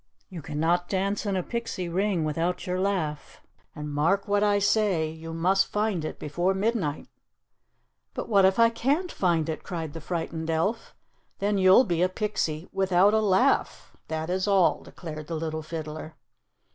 You can not dance in a pixie ring without your laugh, and mark what I say, you must find it before midnight." "But what if I can't find it?" cried the frightened elf. "Then you'll be a pixie without a laugh that is all," declared the Little Fiddler.